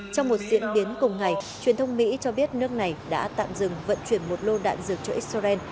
trong một diễn biến cùng ngày truyền thông mỹ cho biết nước này đã tạm dừng vận chuyển một lô đạn dược cho israel